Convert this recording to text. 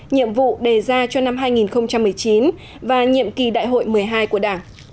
nhiệm vụ đề ra cho năm hai nghìn một mươi chín và nhiệm kỳ đại hội một mươi hai của đảng